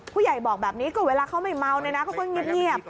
ผู้ใหญ่บอกแบบนี้ก็เวลาเขาไม่เมาเนี่ยนะเขาก็เงียบ